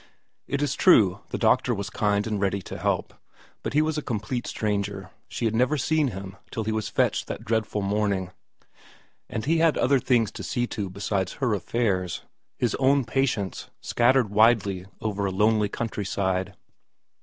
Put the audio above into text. It is true the doctor was kind and ready to help, but he was a complete stranger ; she had never seen him till he was fetched that dreadful morning ; and he had other things to see to besides her affairs, his own patients, scattered widely over a lonely countryside.